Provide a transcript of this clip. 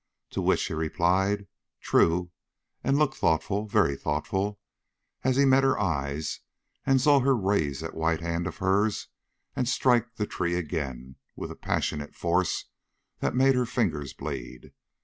To which he replied: 'True,' and looked thoughtful, very thoughtful, as he met her eyes and saw her raise that white hand of hers and strike the tree again with a passionate force that made her fingers bleed.